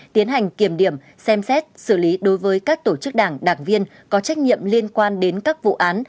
tiến hành kiểm điểm xem xét xử lý đối với các tổ chức đảng đảng viên có trách nhiệm liên quan đến các vụ án